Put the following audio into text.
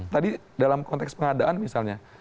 tadi dalam konteks pengadaan misalnya